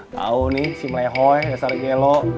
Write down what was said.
tau nih si melehoi si sarik gelo